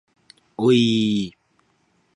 おいいい